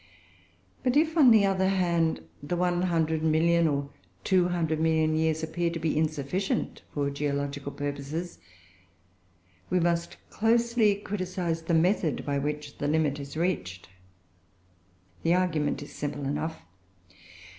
But if, on the other hand, the 100,000,000 or 200,000,000 years appear to be insufficient for geological purposes, we must closely criticise the method by which the limit is reached. The argument is simple enough.